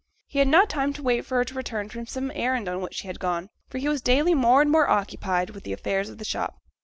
He had not time to wait for her return from some errand on which she had gone, for he was daily more and more occupied with the affairs of the shop.